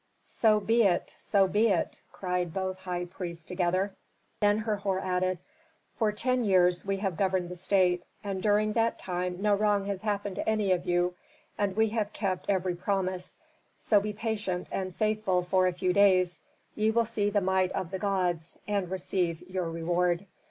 "So be it! So be it!" cried both high priests together. Then Herhor added: "For ten years we have governed the state, and during that time no wrong has happened to any of you, and we have kept every promise; so be patient and faithful for a few days. Ye will see the might of the gods and receive your reward."